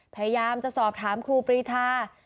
พยายามจะสอบถามครูปรีชา